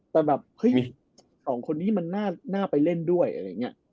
แต่แบบเฮ้ยสองคนนี้มันน่าไปเล่นด้วยอะไรอย่างนี้